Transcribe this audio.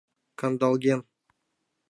Кандалген.